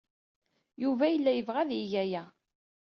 Yuba yella yebɣa ad yeg kra.